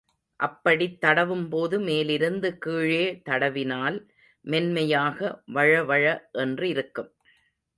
அப்படித் தடவும்போது மேலிருந்து கீழே தடவினால் மென்மையாக வழவழ என்றிருக்கும்.